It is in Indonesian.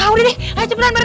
ah udah deh ayo cepetan pak rt